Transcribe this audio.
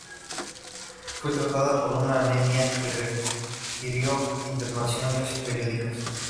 Fue tratada por una anemia, y requirió internaciones periódicas.